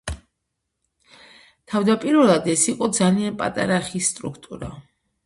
თავდაპირველად ეს იყო ძალიან პატარა ხის სტრუქტურა.